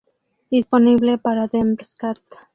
Disponible para Dreamcast.